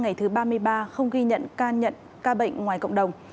ngày thứ ba mươi ba không ghi nhận ca bệnh ngoài cộng đồng